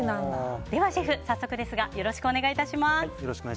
ではシェフ、早速ですがよろしくお願いいたします。